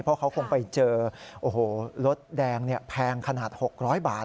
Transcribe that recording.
เพราะเขาคงไปเจอโอ้โหรถแดงแพงขนาด๖๐๐บาท